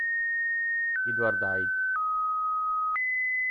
Edward Hyde